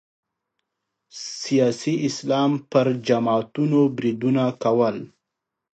سیاسي اسلام پر جماعتونو بریدونه کول